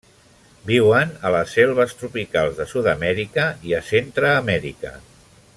Viuen a les selves tropicals de Sud-amèrica i a Centreamèrica.